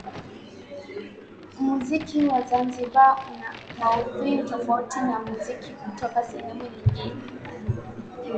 Muziki wa zanzibar una maudhui tofauti na muziki kutoka sehemu nyingine